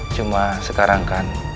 cuma sekarang kan